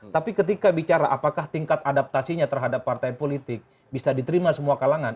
tapi ketika bicara apakah tingkat adaptasinya terhadap partai politik bisa diterima semua kalangan